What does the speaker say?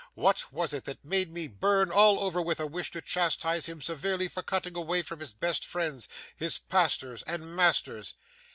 What was it that made me burn all over with a wish to chastise him severely for cutting away from his best friends, his pastors and masters?